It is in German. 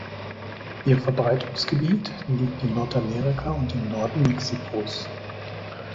Ihr Verbreitungsgebiet liegt in Nordamerika und im Norden Mexikos.